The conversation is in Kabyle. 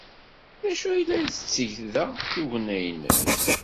D acu ay la tetteg da tugna-nnes?